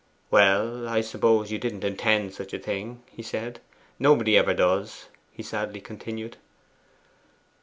'Well, I suppose you didn't INTEND such a thing,' he said. 'Nobody ever does,' he sadly continued.